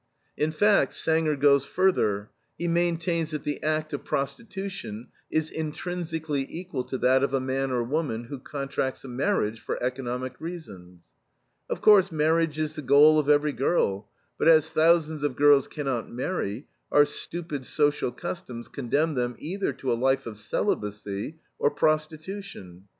" In fact, Banger goes further; he maintains that the act of prostitution is "intrinsically equal to that of a man or woman who contracts a marriage for economic reasons." Of course, marriage is the goal of every girl, but as thousands of girls cannot marry, our stupid social customs condemn them either to a life of celibacy or prostitution.